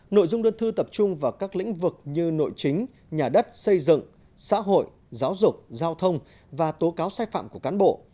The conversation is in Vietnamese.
nội dung đơn thư tập trung vào các lĩnh vực như nội chính nhà đất xây dựng xã hội giáo dục giao thông và tố cáo sai phạm của cán bộ